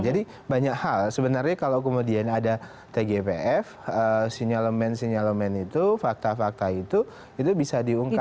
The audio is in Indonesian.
jadi banyak hal sebenarnya kalau kemudian ada tgpf sinyelemen sinyelemen itu fakta fakta itu itu bisa diungkap